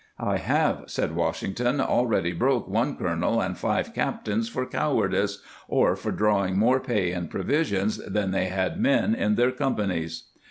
^ "I have," said Washington, "already broke one Col°. and five Captains for Coward ice, or for drawing more Pay & Provisions than they had Men in their Companies."